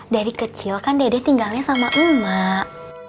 dari kecil kan dede tinggalnya sama emak